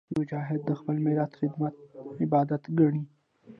مجاهد د خپل ملت خدمت عبادت ګڼي.